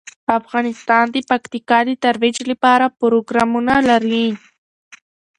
افغانستان د پکتیکا د ترویج لپاره پروګرامونه لري.